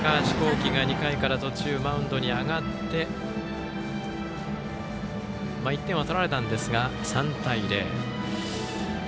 稀が２回途中からマウンドに上がって１点は取られたんですが、３対０。